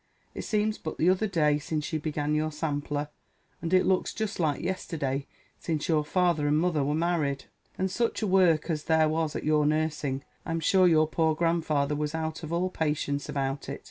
It seems but the t'other day since you began your sampler; and it looks just like yesterday since your father and mother were married. And such a work as there was at your nursing! I'm sure your poor grandfather was out of all patience about it.